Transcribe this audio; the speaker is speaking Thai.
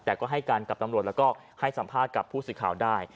แต่ก็ให้การกับตำรวจแล้วก็ให้สัมภาษณ์กับผู้สื่อข่าวได้